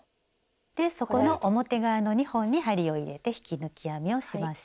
でそこの表側の２本に針を入れて引き抜き編みをしましょう。